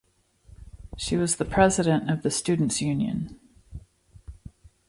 She was the president of the students union.